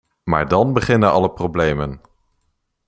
Maar dan beginnen alle problemen.